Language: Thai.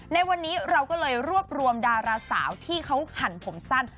ในวันนี้เราก็เลยรวบรวมดาราสาวที่เขาหั่นผมสั้น